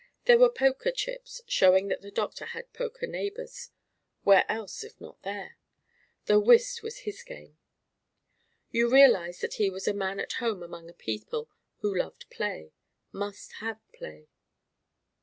There were poker chips, showing that the doctor had poker neighbors (where else if not there?), though whist was his game. You realized that he was a man at home among a people who loved play must have play.